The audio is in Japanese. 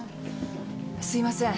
すいません。